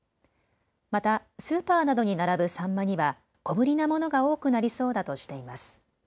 またスーパーなどに並ぶサンマには小ぶりなものが多くなりそうだとしています。